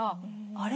「あれ？